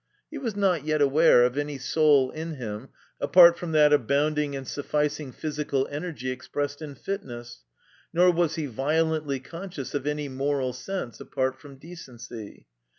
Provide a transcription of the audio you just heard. He was not yet aware of any soul in him apart from that abound ing and suflBcing physical energy expressed in Fitness, nor was he violently conscious of any moral sense apart from Decency.